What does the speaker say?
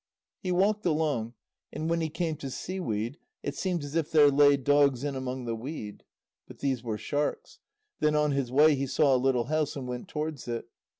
He walked along, and when he came to seaweed, it seemed as if there lay dogs in among the weed. But these were sharks. Then on his way he saw a little house, and went towards it.